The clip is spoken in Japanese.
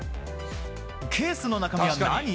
ケースの中身は何？